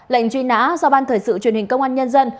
lệnh truy nã do ban thời sự truyền hình công an nhân dân